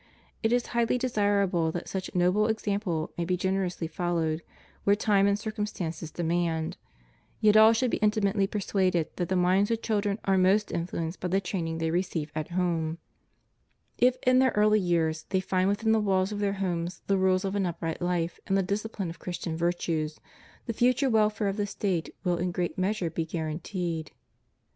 It is highly desirable that such noble example may be generously followed, where time and circumstances demand; yet all should be intimately persuaded that the minds of children are most influenced by the training they receive at home. CHIEF DUTIES OF CHRISTIANS AS CITIZENS. 207 If in their early years they find within the walls of their homes the rule of an upright life and the discipline of Christian virtues, the future welfare of the State will in great measure be guaranteed.